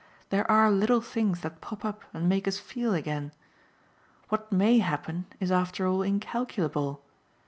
There are little things that pop up and make us feel again. What MAY happen is after all incalculable.